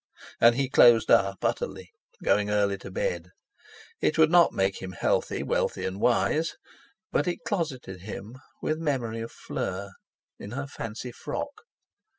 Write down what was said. And he closed up utterly, going early to bed. It would not make him healthy, wealthy, and wise, but it closeted him with memory of Fleur in her fancy frock.